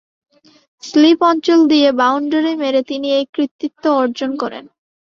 Slip অঞ্চল দিয়ে boundary মেরে তিনি এ কৃতিত্ব অর্জন করেন।